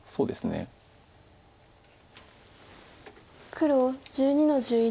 黒１２の十一。